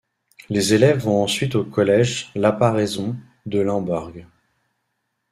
Les élèves vont ensuite au collège La Paraison de Lemberg.